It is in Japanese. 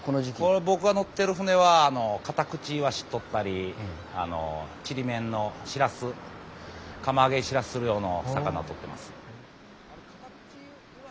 この僕が乗ってる船はカタクチイワシ取ったりちりめんのシラス釜揚げシラスする用の魚を取ってます。